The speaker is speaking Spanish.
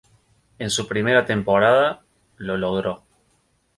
En su primera temporada, lo logró.